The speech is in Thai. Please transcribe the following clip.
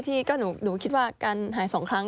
ที่หนูคิดว่าการหาย๒ครั้ง